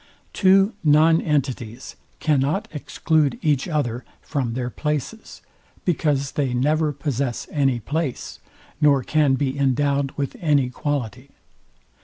Two non entities cannot exclude each other from their places; because they never possess any place, nor can be endowed with any quality.